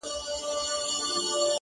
• چي ستاینه د مجنون د زنځیر نه وي,